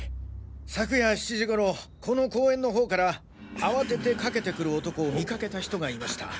昨夜７時頃この公園のほうから慌てて駆けてくる男を見かけた人がいました。